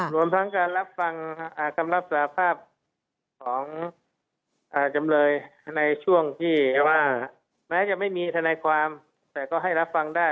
รวมทั้งการรับฟังคำรับสารภาพของจำเลยในช่วงที่ว่าแม้จะไม่มีทนายความแต่ก็ให้รับฟังได้